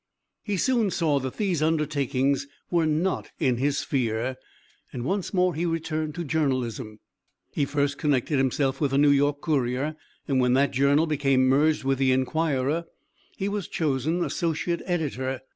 He soon saw that these undertakings were not in his sphere, and once more he returned to journalism. He first connected himself with the New York Courier and when that journal became merged into the Enquirer he was chosen associate editor.